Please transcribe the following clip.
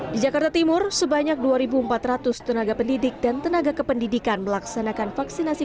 di jakarta timur sebanyak dua empat ratus tenaga pendidik dan tenaga kependidikan melaksanakan vaksinasi